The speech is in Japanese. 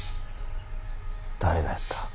誰がやった。